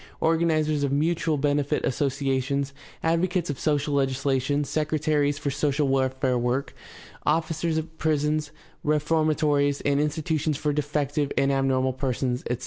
organizers of mutual benefit associations, advocates of social legislation, secretaries for social welfare work, officers of prisons, reforma tories, and institutions for defective and abnormal persons, etc.